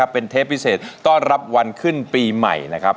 เป็นเทปพิเศษต้อนรับวันขึ้นปีใหม่นะครับ